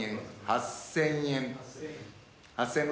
８，０００円。